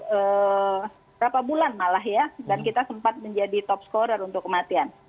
beberapa bulan malah ya dan kita sempat menjadi top scorer untuk kematian